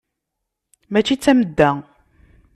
Mačči d tamedda.